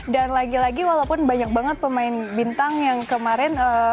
lagi lagi walaupun banyak banget pemain bintang yang kemarin